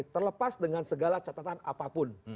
terlepas dengan segala catatan apapun